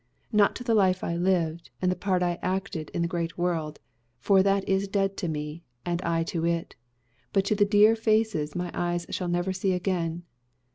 Not to the life I lived, and the part I acted in the great world, for that is dead to me and I to it; but to the dear faces my eyes shall never see again.